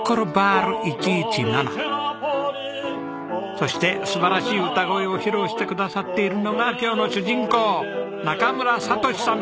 そして素晴らしい歌声を披露してくださっているのが今日の主人公中村聰さん